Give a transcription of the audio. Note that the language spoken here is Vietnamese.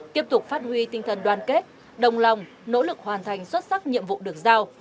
tiếp tục phát huy tinh thần đoàn kết đồng lòng nỗ lực hoàn thành xuất sắc nhiệm vụ được giao